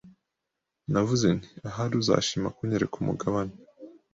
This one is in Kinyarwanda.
Navuze nti Ahari uzashima kunyereka umugabane